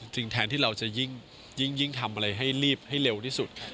แทนที่เราจะยิ่งทำอะไรให้รีบให้เร็วที่สุด